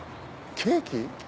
ケーキ？